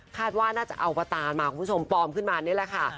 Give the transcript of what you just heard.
ว่าน่าจะเอาประตานมาคุณผู้ชมปลอมขึ้นมานี่แหละค่ะ